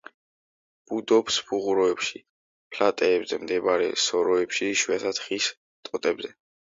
ბუდობს ფუღუროებში, ფლატეებზე მდებარე სოროებში, იშვიათად ხის ტოტებზე.